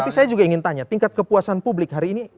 tapi saya juga ingin tanya tingkat kepuasan publik hari ini